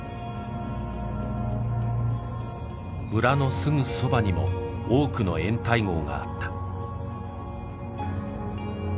村のすぐそばにも多くの掩体壕があった。